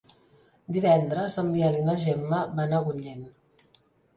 Divendres en Biel i na Gemma van a Agullent.